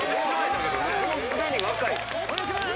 お願いします。